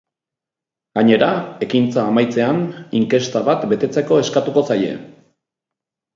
Gainera, ekintza amaitzean inkesta bat betetzeko eskatuko zaie.